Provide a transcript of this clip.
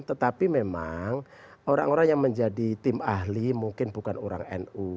tetapi memang orang orang yang menjadi tim ahli mungkin bukan orang nu